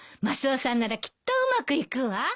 マスオさんならきっとうまくいくわ。